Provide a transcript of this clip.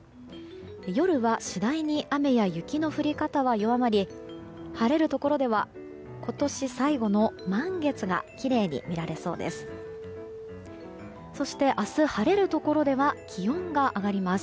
夜は次第に雨や雪の降り方は弱まり晴れるところでは今年最後の満月がきれいに見られそうです。